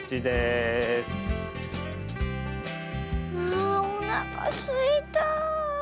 あおなかすいた。